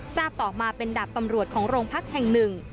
ทราบต่อมาเป็นดาบตำรวจของโรงพักแห่งหนึ่ง